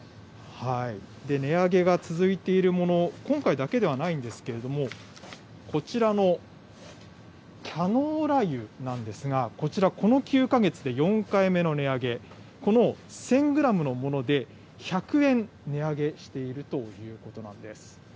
値上げが続いているもの、今回だけではないんですけれども、こちらのキャノーラ油なんですが、こちら、この９か月で４回目の値上げ、この１０００グラムのもので１００円値上げしているということなんです。